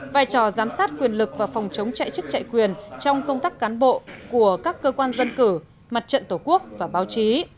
vai trò giám sát quyền lực và phòng chống chạy chức chạy quyền trong công tác cán bộ của các cơ quan dân cử mặt trận tổ quốc và báo chí